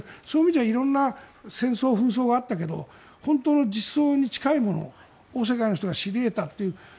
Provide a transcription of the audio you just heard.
そういう意味じゃ色んな戦争、紛争があったけど本当の実相に近いものを世界の人が知り得たという。